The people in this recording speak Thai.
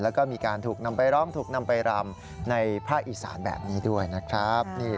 แล้วก็มีการถูกนำไปร้องถูกนำไปรำในภาคอีสานแบบนี้ด้วยนะครับ